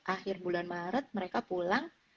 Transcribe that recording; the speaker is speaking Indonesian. akhir bulan maret mereka pulang